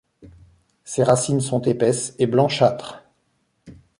Ses racines sont épaisses et blanchâtres.